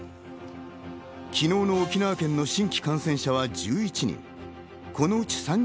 昨日の沖縄県の新規感染者は１１人。